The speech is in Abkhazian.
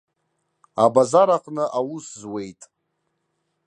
Абазар аҟны аус зуеит.